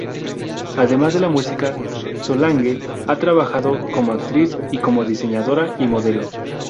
Además de la música, Solange ha trabajado como actriz y como diseñadora y modelo.